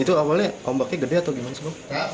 itu awalnya ombaknya gede atau gimana sih bang